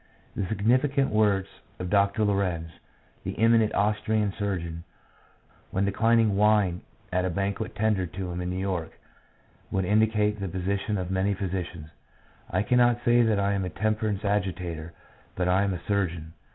The significant words of Dr. Lorenz, the eminent Austrian surgeon, when declining wine at a banquet tendered to him in New York, would indicate the position of many physicians. " I cannot say that I am a temperance agitator, but I am a surgeon.